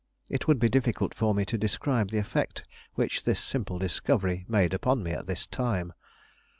It would be difficult for me to describe the effect which this simple discovery made upon me at this time.